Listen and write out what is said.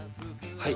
はい。